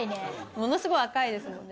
ものすごい赤いですもんね。